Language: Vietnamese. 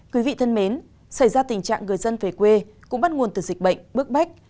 quý vị thân mến xảy ra tình trạng người dân về quê cũng bắt nguồn từ dịch bệnh bước bách